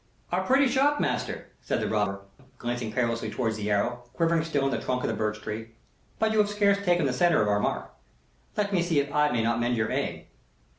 "A pretty shot, master," said the robber, glancing carelessly towards the arrow, quivering still in the trunk of the birch tree. "But you have scarce taken the centre of our mark. Let me see if I may not mend your aim."